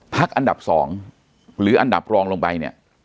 อันดับ๒หรืออันดับรองลงไปเนี่ย